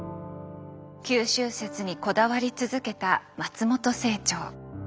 九州説にこだわり続けた松本清張。